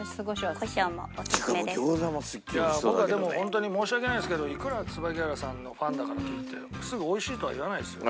僕はでもホントに申し訳ないですけどいくら椿原さんのファンだからといってすぐ美味しいとは言わないですよ。